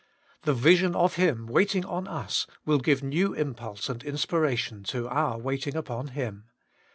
The vision of Him waiting on us, will give new impulse and inspiration to our waiting upon Him.